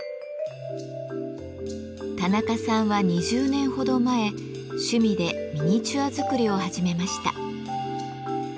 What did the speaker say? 田中さんは２０年ほど前趣味でミニチュア作りを始めました。